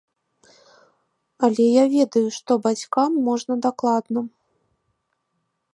Але я ведаю, што бацькам можна дакладна.